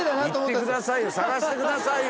探してくださいよ！